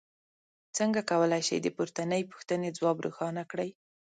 څنګه کولی شئ د پورتنۍ پوښتنې ځواب روښانه کړئ.